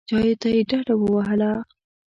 چایو ته یې ډډه ووهله.